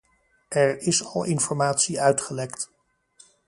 Er is al informatie uitgelekt.